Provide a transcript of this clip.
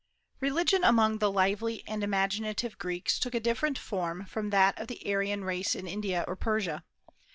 Religion among the lively and imaginative Greeks took a different form from that of the Aryan race in India or Persia.